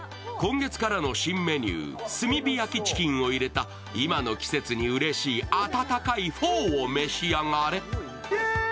今月からの新メニュー、炭火焼きチキンを入れた今の季節にうれしい温かいフォーを召し上がれ。